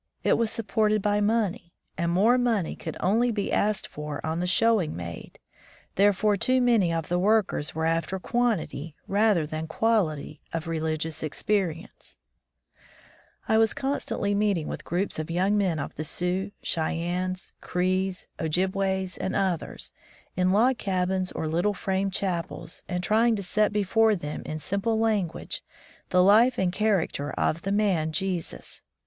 It was supported by money, and more money could only be asked for on the showing made; therefore too many of the workers were after quantity rather than quality of religious experience. 141 From the Deep Woods to Cmlization I was constantly meeting with groups of young men of the Sioux, Cheyenifts, Crees, Ojibways, and others, in log cabins or little frame chapels, and trying to set before them in simple language the life and character of the Man Jesus.